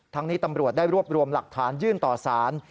นี้ตำรวจได้รวบรวมหลักฐานยื่นต่อสาร